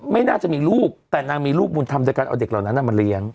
ไม่น่าจะมีลูกแต่นางมีลูกบุญธรรมโดยการเอาเด็กเหล่านั้นมาเลี้ยง